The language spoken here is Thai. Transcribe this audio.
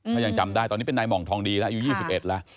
ถ้ายังจำได้ตอนนี้เป็นนายห่องทองดีแล้วอายุ๒๑แล้ว